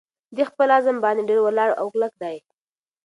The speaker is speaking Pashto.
دی په خپل عزم باندې ډېر ولاړ او کلک دی.